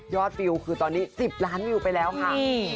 ฟิลคือตอนนี้๑๐ล้านวิวไปแล้วค่ะ